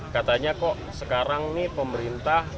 katanya kok sekarang nih pemerintah